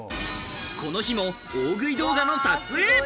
この日も大食い動画の撮影。